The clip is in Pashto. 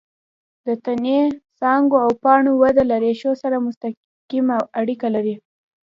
د تنې، څانګو او پاڼو وده له ریښو سره مستقیمه اړیکه لري.